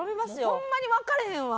ホンマにわかれへんわ！